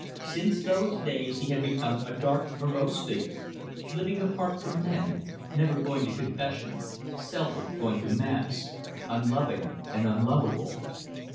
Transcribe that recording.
Since those days he had become a dark morose figure, living apart from men, never going to confession, seldom going to Mass, unloving and unlovable.